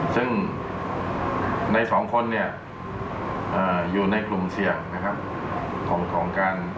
ซึ่งใน๒คนอยู่ในกลุ่มเชี่ยง